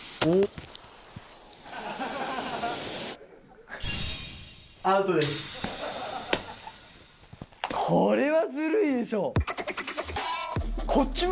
おっ。